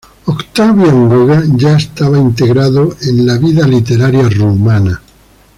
Octavian Goga ya estaba integrado en la vida literaria rumana.